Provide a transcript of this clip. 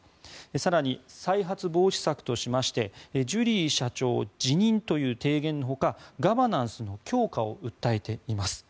更に、再発防止策としましてジュリー社長辞任という提言のほかガバナンスの強化を訴えています。